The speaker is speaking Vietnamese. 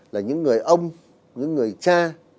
là những người ông những người cha